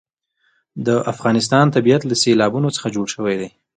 د افغانستان طبیعت له سیلابونه څخه جوړ شوی دی.